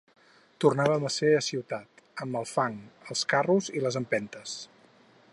Tornaven a ser a ciutat, amb el fang, els carros i les empentes.